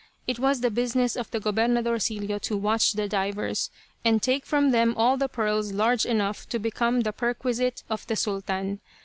It was the business of the "Gobernadorcillo" to watch the divers, and take from them all the pearls large enough to become the perquisite of the Sultan.